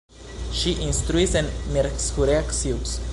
Ŝi instruis en Miercurea Ciuc.